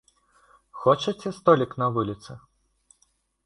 Хочаце столік на вуліцы?